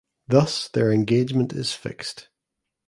Thus their engagement is fixed.